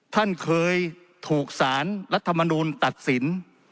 ท่านเคยถูกสารรัฐมนูลตัดสิน